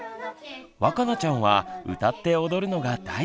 わかなちゃんは歌って踊るのが大好き。